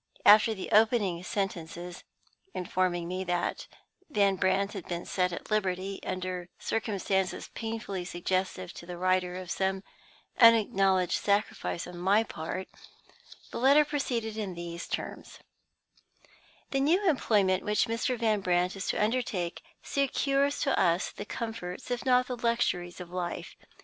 After the opening sentences (informing me that Van Brandt had been set at liberty, under circumstances painfully suggestive to the writer of some unacknowledged sacrifice on my part), the letter proceeded in these terms: "The new employment which Mr. Van Brandt is to undertake secures to us the comforts, if not the luxuries, of life.